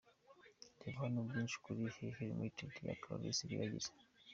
Reba hano byinshi kuri HeHe Limited ya Clarisse Iribagiza.